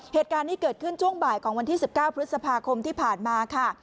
เหตุการณ์นี้เกิดขึ้นช่วงบ่ายของวันที่๑๙พฤษภาคมที่ผ่านมาค่ะ